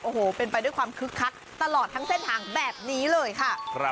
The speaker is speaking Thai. โอ้โหเป็นไปด้วยความคึกคักตลอดทั้งเส้นทางแบบนี้เลยค่ะ